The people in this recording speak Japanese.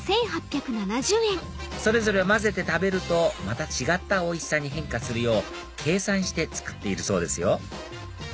それぞれ混ぜて食べるとまた違ったおいしさに変化するよう計算して作っているそうですよ